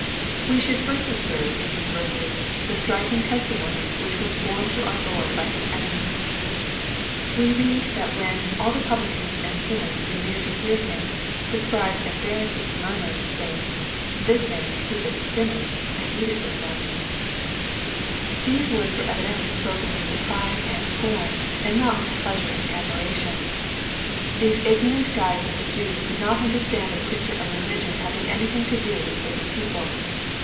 We should first observe in these verses, the striking testimony which was home to our Lord hyHisevemies. We read that when '^ all the publicans and sinners drew near to hear Him, the Scribes and Pharisees murmured, say ing, This man receiveth sinners, and eateth with them.' 174 EXPOSITORY THOUGHTS. These word? ^"ere evidently spoken with surprise and Bcorn, and not with pleasure and admiration. These ignorant guides of the Jews could not understand a preacher of religion having anything to do with wicked people